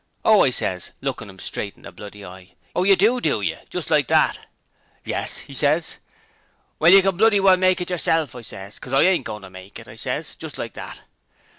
"Oh," I ses, lookin' 'im straight in the bloody eye, "Oh, yer do, do yer?" just like that. "Yes," 'e ses. "Well, you can bloody well make it yerself!" I ses, "'cos I ain't agoin' to," I ses just like that.